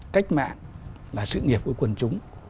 cách mạng là sự nghiệp của quần chúng